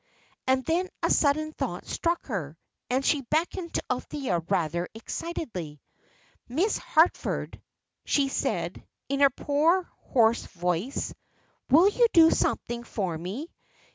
And then a sudden thought struck her, and she beckoned to Althea rather excitedly. "Miss Harford," she said, in her poor, hoarse voice, "will you do something for me?